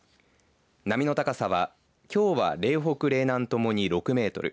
波の高さはきょうは嶺北、嶺南、共に６メートル